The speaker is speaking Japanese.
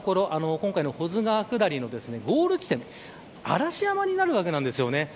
今回の保津川下りのゴール地点嵐山になるわけなんです。